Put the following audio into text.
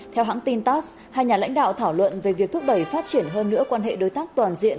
theo hãng tin tass hai nhà lãnh đạo thảo luận về việc thúc đẩy phát triển hơn nữa quan hệ đối tác toàn diện